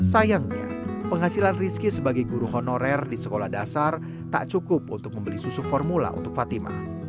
sayangnya penghasilan rizky sebagai guru honorer di sekolah dasar tak cukup untuk membeli susu formula untuk fatima